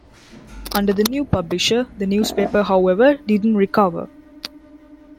Under the new publisher, the newspaper however didn't recover.